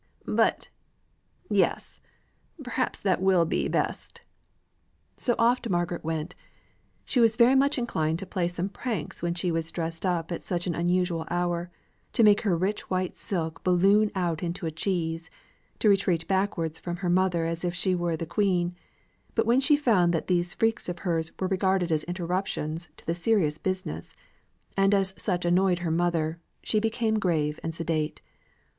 "But yes! perhaps that will be best." So off Margaret went. She was very much inclined to play some pranks when she was dressed up at such an unusual hour; to make her rich white silk balloon out into a cheese, to retreat backwards from her mother as if she were the queen; but when she found that these freaks of hers were regarded as interruptions to the serious business, and as such annoyed her mother, she became grave and sedate.